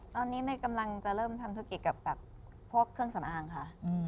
ตอนนี้กำลังจะเริ่มทำธุรกิจกับพวกเครื่องสำอางค่ะ